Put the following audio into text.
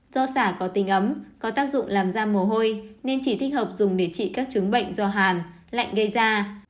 do xả có tính ấm có tác dụng làm da mồ hôi nên chỉ thích hợp dùng để trị các chứng bệnh do hàn lạnh gây ra